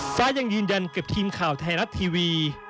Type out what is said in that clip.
ฟ้ายังยืนยันกับทีมข่าวไทยรัฐทีวี